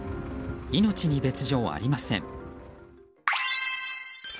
命に別条はありません。